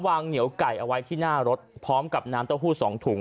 เหนียวไก่เอาไว้ที่หน้ารถพร้อมกับน้ำเต้าหู้สองถุง